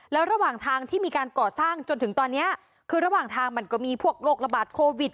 แล้วระหว่างทางที่มีการก่อสร้างจนถึงตอนนี้คือระหว่างทางมันก็มีพวกโรคระบาดโควิด